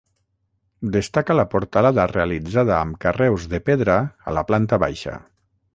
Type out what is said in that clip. Destaca la portalada realitzada amb carreus de pedra a la planta baixa.